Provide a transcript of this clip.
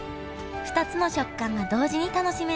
２つの食感が同時に楽しめる。